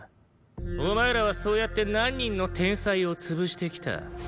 お前らはそうやって何人の天才を潰してきた？